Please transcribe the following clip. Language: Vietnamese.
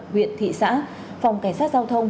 huyện thị xã phòng cảnh sát giao thông